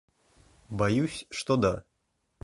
Боюсь, что да.